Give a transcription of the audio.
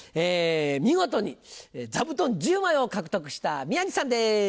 見事に座布団１０枚を獲得した宮治さんです！